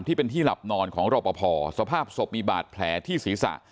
ที่เป็นที่หลับนอนของรอปภสภาพศพมีบาดแผลที่ศีรษะ